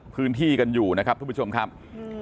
พื้นที่กันอยู่นะครับทุกผู้ชมครับ